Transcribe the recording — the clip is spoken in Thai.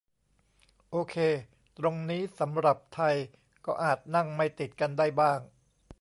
โอเค ตรงนี้สำหรับไทยก็อาจนั่งไม่ติดกันได้บ้าง